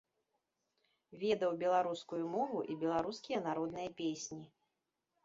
Ведаў беларускую мову і беларускія народныя песні.